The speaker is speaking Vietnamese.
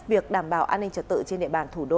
việc đảm bảo an ninh trật tự trên địa bàn thủ đô